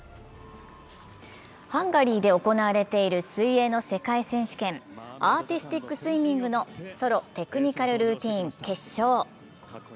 ハンガリーで行われている水泳の世界選手権、アーティスティックスイミングのソロテクニカルルーティン決勝。